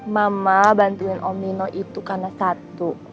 mama bantuin om nino itu karena satu